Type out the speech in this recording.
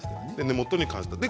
根元に関しては。